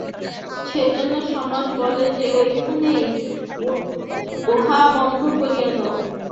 সেইজন্য সমাজ বলে যে, ঐখানেই উহা বন্ধ করিয়া দাও।